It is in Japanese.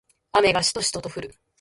雨がしとしと降る